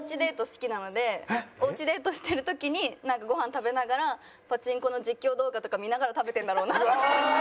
好きなのでお家デートしてる時になんかご飯食べながらパチンコの実況動画とか見ながら食べてるんだろうな。